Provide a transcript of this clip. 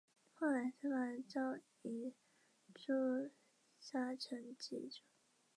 后来司马昭以罪诛杀成济一族。